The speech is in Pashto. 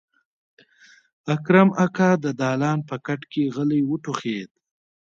اکرم اکا د دالان په کټ کې غلی وټوخېد.